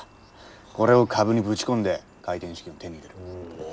これを株にぶち込んで開店資金を手に入れる。